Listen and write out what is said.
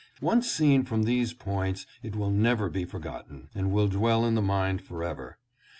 Once seen from these points it will never be forgotten, but will dwell in the mind forever.